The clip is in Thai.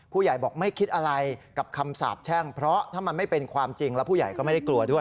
ผู้ใหญ่บอกไม่คิดอะไรกับคำสาบแช่งเพราะถ้ามันไม่เป็นความจริงแล้วผู้ใหญ่ก็ไม่ได้กลัวด้วย